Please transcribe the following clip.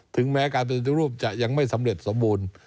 แม้การปฏิรูปจะยังไม่สำเร็จสมบูรณ์